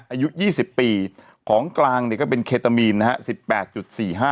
อายุ๒๐ปีของกลางเนี่ยก็เป็นเคตามีนนะฮะ